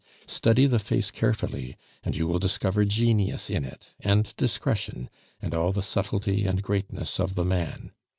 Study the face carefully, and you will discover genius in it and discretion, and all the subtlety and greatness of the man.